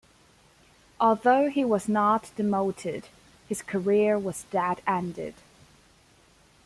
Although he was not demoted, his career was dead-ended.